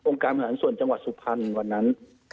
องค์การมหาส่วนจังหวัดสุพรรณกว่านั้น